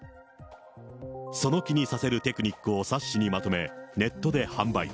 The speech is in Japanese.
その気にさせるテクニックを冊子にまとめ、ネットで販売。